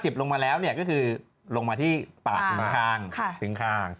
พอ๕๐ลงมาแล้วเนี่ยก็คือลงมาที่ปากตึงข้าง